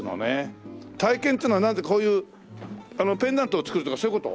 体験っていうのはなんかこういうペンダントを作るとかそういう事？